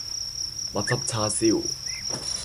蜜汁叉燒